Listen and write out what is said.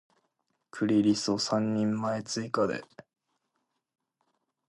クリリソ三人前追加で